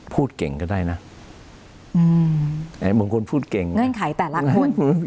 พูดเก่งก็ได้น่ะอืมไอบางคนพูดเก่งเงื่อนไขแต่หลักพูด